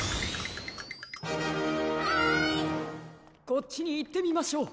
こっちにいってみましょう。